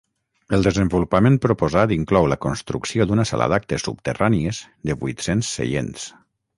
El desenvolupament proposat inclou la construcció d'una sala d'actes subterrànies de vuit-cents seients.